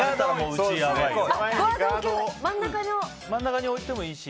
真ん中に置いてもいいし。